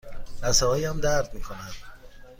لثه هایم درد می کنند.